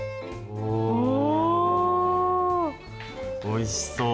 おいしそう。